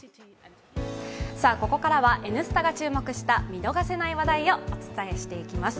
ここからは「Ｎスタ」が注目した見逃せない話題をお届けします。